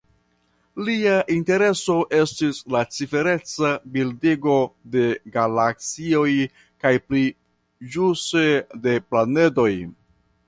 Lia intereso estis la cifereca bildigo de galaksioj kaj pli ĵuse de planedoj.